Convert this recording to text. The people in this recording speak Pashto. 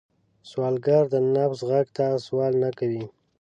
سوالګر د نفس غږ ته سوال نه کوي